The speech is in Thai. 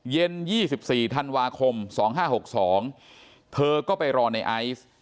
เย็น๒๔ธันวาคม๒๕๖๒เธอก็ไปรอในไอซ์